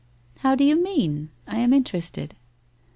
' How do you mean ? I am interested.'